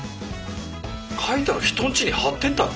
描いたの人んちに貼ってったの？